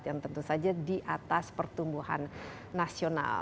yang tentu saja di atas pertumbuhan nasional